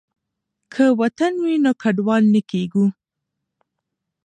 که وطن وي نو کډوال نه کیږو.